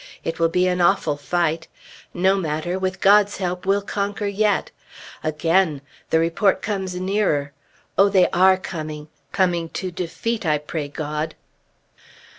It will be an awful fight. No matter! With God's help we'll conquer yet! Again! the report comes nearer. Oh, they are coming! Coming to defeat, I pray God.